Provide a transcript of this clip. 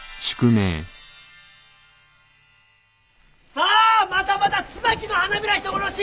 さあまたまた「椿の花びら人殺し」